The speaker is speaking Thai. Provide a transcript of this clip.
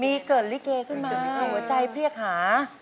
มีเกิดลิเกขึ้นมาหัวใจเรียกหา